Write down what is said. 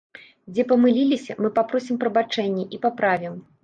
Дзе памыліліся, мы папросім прабачэння і паправім.